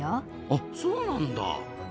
あそうなんだ。